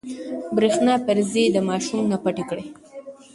برېښنا پريزې د ماشوم نه پټې کړئ.